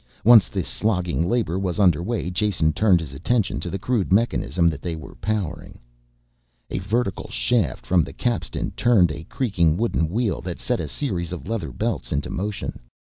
Once this slogging labor was under way Jason turned his attention to the crude mechanism that they were powering. A vertical shaft from the capstan turned a creaking wooden wheel that set a series of leather belts into motion.